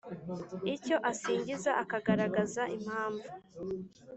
icyo asingiza, akagaragaza impamvu